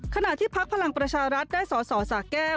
ขณะที่พักพลังประชารัฐได้สอสอสาแก้ว